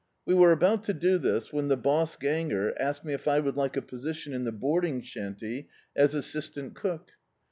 We were about to do this when the boss ganger asked me if I would like a position in the boarding shanty as assistant cook.